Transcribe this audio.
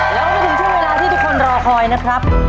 แล้วก็มาถึงช่วงเวลาที่ทุกคนรอคอยนะครับ